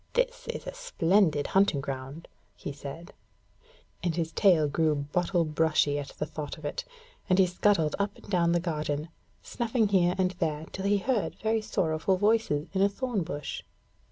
'This is a splendid hunting ground,' he said, and his tail grew bottle brushy at the thought of it, and he scuttled up and down the garden, snuffing here and there till he heard very sorrowful voices in a thorn bush.